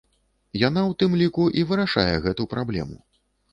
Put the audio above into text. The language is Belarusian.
Яна, у тым ліку, і вырашае гэту праблему.